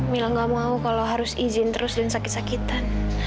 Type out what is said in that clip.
mila gak mau kalau harus izin terus dan sakit sakitan